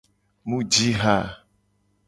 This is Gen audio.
Mu ji ha.